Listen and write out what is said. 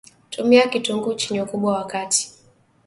Tumia Kitunguu chenye Ukubwa wa kati